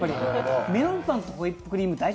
メロンパンとホイップクリームって相性